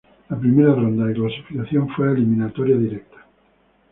La primera ronda de clasificación fue a eliminatoria directa.